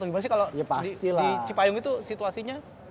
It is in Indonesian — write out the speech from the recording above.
gimana sih kalo di cipayung itu situasinya